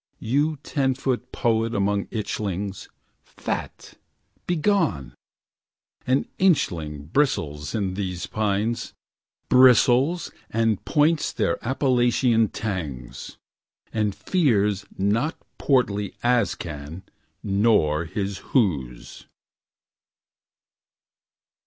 You ten foot poet among inchlings . Fat! Begone! An inchling bristles in these pines. Bristles, and points their Appalachian tangs. And fears not portly Azcan nor his hoos